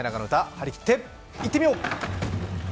張り切っていってみよう！